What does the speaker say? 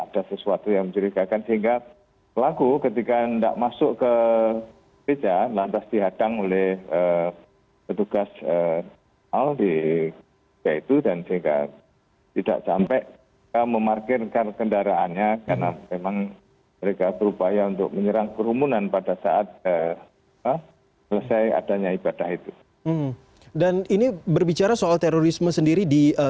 dan ini berbicara soal terorisme sendiri di jawa timur